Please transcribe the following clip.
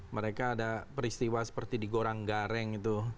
mereka ada peristiwa seperti digorang gareng itu